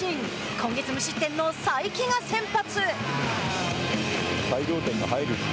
今月無失点の才木が先発。